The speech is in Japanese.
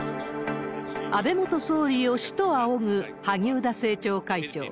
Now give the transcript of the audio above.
安倍元総理を師と仰ぐ萩生田政調会長。